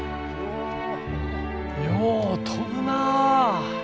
よう飛ぶなぁ。